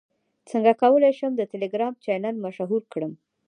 څنګه کولی شم د ټیلیګرام چینل مشهور کړم